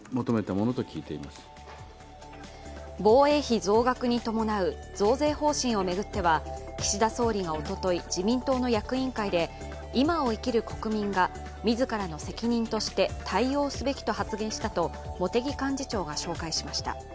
防衛費増額に伴う増税方針を巡っては岸田総理がおととい自民党の役員会で今を生きる国民が自らの責任として対応すべきと発言したと茂木幹事長が紹介しました。